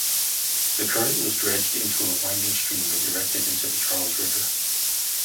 The current was dredged into a winding stream and directed into the Charles River.